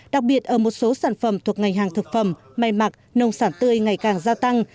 đặc biệt ở một số sản phẩm thuộc ngành hàng thực phẩm may mặc nông sản tươi ngày càng gia tăng